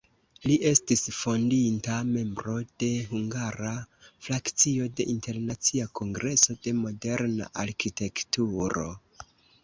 Li estis fondinta membro de hungara frakcio de Internacia Kongreso de Moderna Arkitekturo.